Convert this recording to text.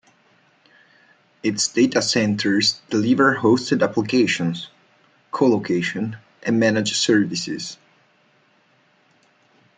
Its data centers delivered hosted applications, co-location, and managed services.